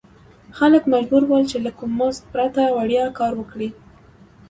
خلک مجبور ول چې له کوم مزد پرته وړیا کار وکړي.